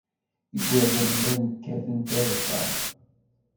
Igerdan llan kkaten tarfa.